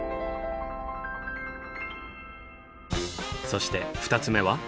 そして２つ目は。